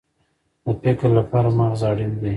د فکر لپاره مغز اړین دی